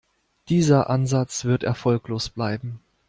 Dieser Ansatz wird erfolglos bleiben.